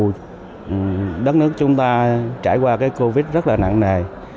tôi thấy rằng là mặc dù đất nước chúng ta trải qua cái covid rất là nặng nề